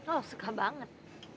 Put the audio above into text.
oh suka banget